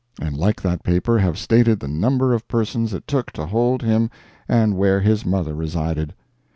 and like that paper, have stated the number of persons it took to hold him and where his mother resided.